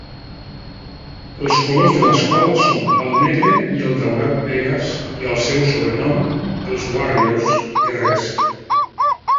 Els colors de l'escola són el negre i el daurat Vegas i el seu sobrenom, els "Warriors" (guerrers).